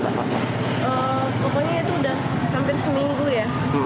pokoknya itu sudah hampir seminggu ya